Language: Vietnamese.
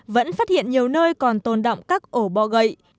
vẫn phát hiện nhiều nơi còn tồn đọng các ổ bò gậy